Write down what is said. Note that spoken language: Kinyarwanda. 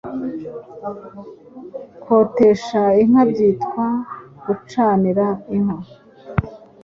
Kotesha inka byitwa Gucanira Inka